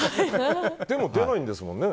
でも、出ないんですもんね